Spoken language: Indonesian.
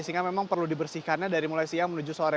sehingga memang perlu dibersihkannya dari mulai siang menuju sore